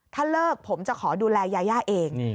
ถ้าเลิกผมจะขอดูแลยาย่าเอง